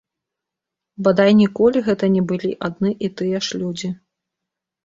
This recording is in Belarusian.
Бадай ніколі гэта не былі адны і тыя ж людзі.